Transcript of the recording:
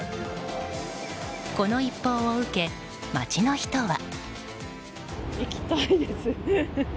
この一報を受け、街の人は。